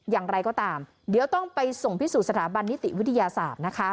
อย่างไรก็ตามเดี๋ยวต้องไปส่งพิสูจนสถาบันนิติวิทยาศาสตร์นะคะ